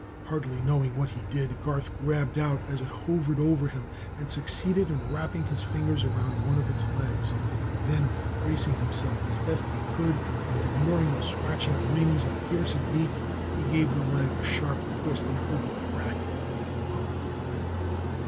Hardly knowing what he did, Garth grabbed out as it hovered over him and succeeded in wrapping his fingers around one of its legs. Then, bracing himself as best he could, and ignoring the scratching wings and piercing beak, he gave the leg a sharp twist and heard the crack of breaking bone.